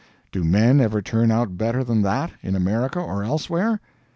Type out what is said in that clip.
Do men ever turn out better than that in America or elsewhere?